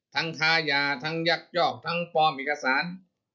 ทั้งค้ายาทั้งยักษ์ยอกทั้งฟอร์มอิกษร